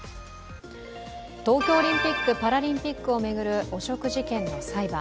東京オリンピック・パラリンピックを巡る汚職事件の裁判。